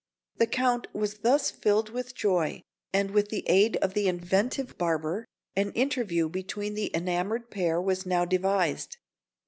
The Count was thus filled with joy; and, with the aid of the inventive barber, an interview between the enamoured pair was now devised.